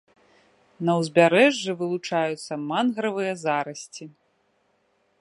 На ўзбярэжжы вылучаюцца мангравыя зарасці.